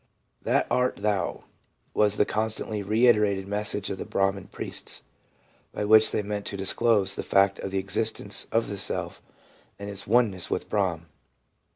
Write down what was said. ' That art thou ' was the constantly reiterated message of the Brahman priests, by which they meant to disclose the fact of the existence of the self and its oneness with Brahm.